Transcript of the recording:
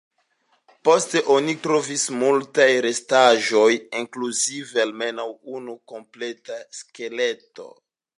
Poste oni trovis multaj restaĵoj, inkluzive almenaŭ unu kompleta skeleto.